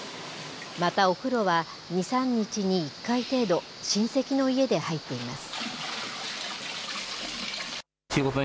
またお風呂は２、３日に１回程度、親戚の家で入っています。